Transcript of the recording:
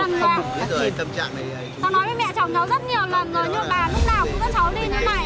tao nói với mẹ chồng nhau rất nhiều lần rồi nhưng bà lúc nào cũng gắt cháu đi